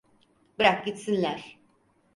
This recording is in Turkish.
Bırak gitsinler.